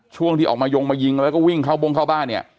ช่วงที่ออกมายงมายิงแล้วก็วิ่งเข้าบงเข้าบ้านเนี่ย